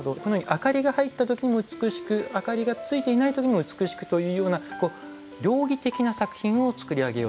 明かりが入った時にも美しく明かりがついていない時にも美しくというような両義的な作品を作り上げようと試みたんですね。